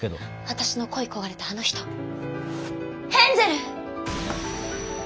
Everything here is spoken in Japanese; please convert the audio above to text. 私の恋い焦がれたあの人ヘンゼル！